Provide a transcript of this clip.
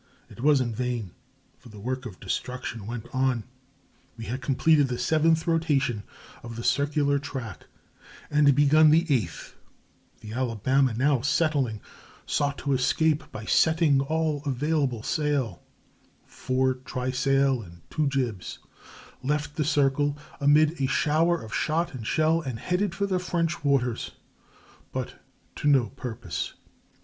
It was in vain, for the work of destruction went on. We had completed the seventh rotation on the circular track and begun the eighth; the Alabama, now settling, sought to escape by setting all available sail (fore trysail and two jibs), left the circle, amid a shower of shot and shell, and headed for the French waters; but to no purpose.